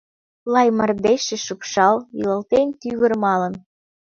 Лай мардежше, шупшал, Йӱлалтен тӱрвым алын.